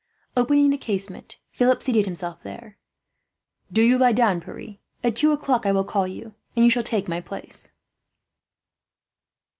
Opening the casement, Philip seated himself there. "Do you lie down, Pierre. At two o'clock I will call you, and you shall take my place."